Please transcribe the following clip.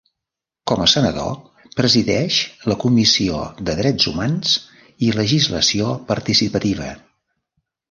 Com a senador, presideix la comissió de Drets Humans i Legislació Participativa.